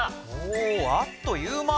おあっという間。